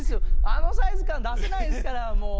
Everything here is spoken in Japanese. あのサイズ感出せないですからもう。